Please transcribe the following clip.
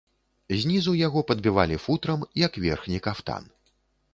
Знізу яго падбівалі футрам як верхні кафтан.